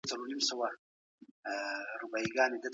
انتقادي فکر څنګه د پوهي کارول اسانه کوي؟